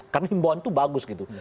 karena hibawan itu bagus gitu